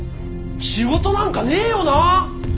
仕事なんかねえよな？